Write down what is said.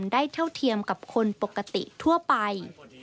เท่าเทียมกับคนปกติทั่วไป